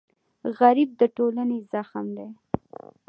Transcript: غریب د ټولنې زخم دی